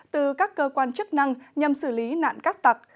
từ các cơ quan chức năng nhằm xử lý nạn cát tặc